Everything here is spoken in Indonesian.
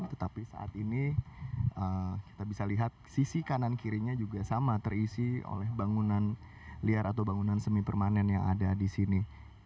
tetapi saat ini kita bisa lihat sisi kanan kirinya juga sama terisi oleh bangunan liar atau bangunan semi permanen yang ada di sini